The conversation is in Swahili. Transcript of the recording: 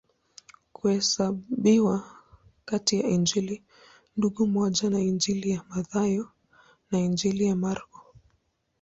Huhesabiwa kati ya Injili Ndugu pamoja na Injili ya Mathayo na Injili ya Marko.